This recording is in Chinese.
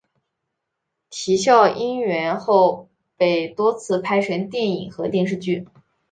啼笑因缘后被多次拍成电影和电视剧。